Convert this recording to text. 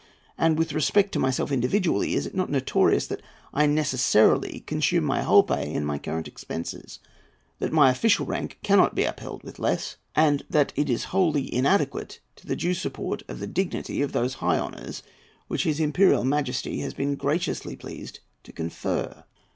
And with respect to myself individually, is it not notorious that I necessarily consume my whole pay in my current expenses; that my official rank cannot be upheld with less, and that it is wholly inadequate to the due support of the dignity of those high honours which his Imperial Majesty has been graciously pleased to confer?